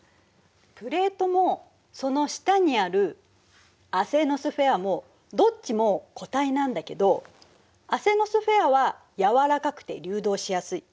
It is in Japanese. プレートもその下にあるアセノスフェアもどっちも固体なんだけどアセノスフェアは軟らかくて流動しやすい。